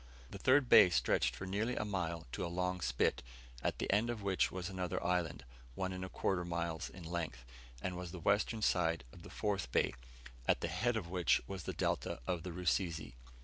The third bay stretched for nearly a mile to a long spit, at the end of which was another island, one and a quarter mile in length, and was the western side of the fourth bay, at the head of which was the delta of the Rusizi.